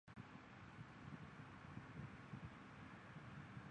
蚊母草为车前草科婆婆纳属下的一个种。